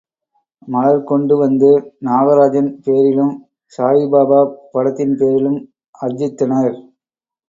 மலர் கொண்டு வந்து நாகராஜன் பேரிலும் சாயிபாப படத்தின் பேரிலும் அர்ச்சித்தனர்.